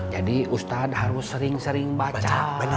jadi ustadz harus sering sering baca